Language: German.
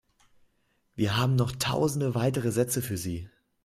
Wir haben noch tausende weitere Sätze für Sie.